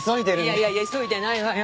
いやいや急いでないわよ。